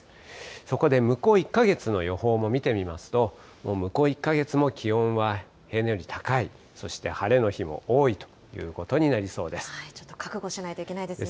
そこで向こう１か月の予報も見てみますと、向こう１か月も気温は平年より高い、そして晴れの日もちょっと覚悟しないといけなですね。